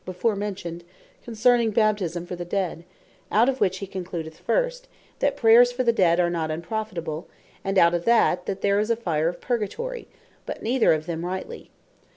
before mentioned, concerning Baptisme for the Dead: out of which he concludeth, first, that Prayers for the Dead are not unprofitable; and out of that, that there is a Fire of Purgatory: But neither of them rightly.